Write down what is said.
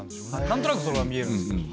何となくそれは見えるんですけど。